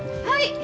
はい！